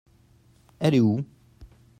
Elle est où ?